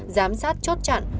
giám sát chốt chặn